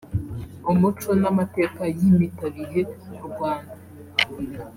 Umuco n’Amateka y’impitabihe ku Rwanda